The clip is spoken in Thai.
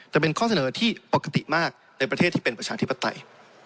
แต่เป็นข้อเสนอที่ปกติมากในประเทศที่เป็นประชาธิปไตย